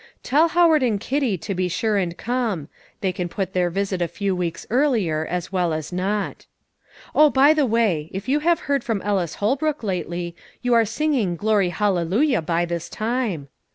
"Tell Howard and Kitty to be sure and come; they can put their visit a few weeks earlier as well as not. "Oh, by the way, if you have heard from Ellis Holbrook lately, you are singing 'Glory Hallelujah' by this time!